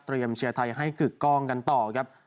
เชียร์ไทยให้กึกกล้องกันต่อครับ